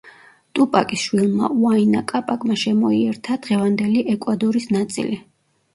ტუპაკის შვილმა უაინა კაპაკმა შემოიერთა დღევანდელი ეკვადორის ნაწილი.